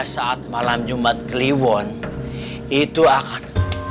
saat malam jumat kliwon itu akan